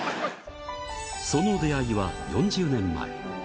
その出会いは４０年前。